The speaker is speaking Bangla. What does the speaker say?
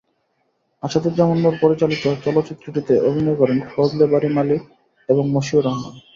আসাদুজ্জামান নূর পরিচালিত চলচ্চিত্রটিতে অভিনয় করেন ফজলে বারী মালিক এবং মশিউর রহমান।